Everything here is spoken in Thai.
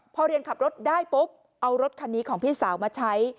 พอเรียนขับรถได้ปุ๊บเอารถคันนี้ของพี่สาวมาใช้